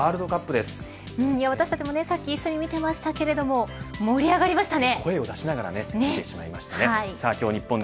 バスケットボールの私たちもさっき一緒に見ていましたけれど盛り上がりましたね。